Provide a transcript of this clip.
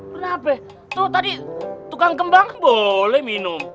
kenapa tuh tadi tukang kembang boleh minum